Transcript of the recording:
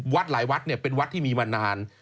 หลายวัดเนี่ยเป็นวัดที่มีมานาน